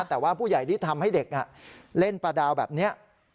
แต่ว่าผู้ใหญ่ที่ทำให้เด็กเล่นปลาดาวแบบนี้